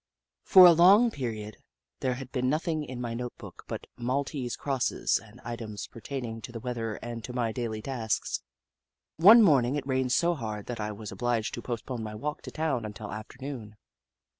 For a long period there had been nothing in my note book but maltese crosses and items pertaining to the weather and to my daily tasks. One morning it rained so hard that I was obliged to postpone my walk to town until afternoon.